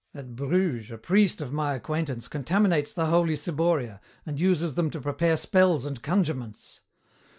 At Bruges a priest of my acquaintance contaminates the holy ciboria and uses them to prepare spells and conjurements.